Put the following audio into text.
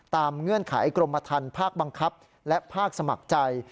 เงื่อนไขกรมธรรมภาคบังคับและภาคสมัครใจ